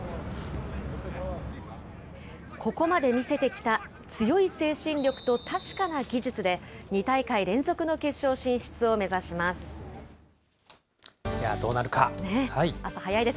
ここまで見せてきた強い精神力と確かな技術で、２大会連続の決勝進出を目指します。